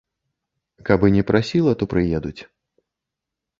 Каб і не прасіла, то прыедуць.